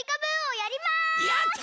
やった！